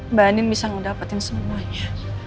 mbak andi bisa ngedapetin semuanya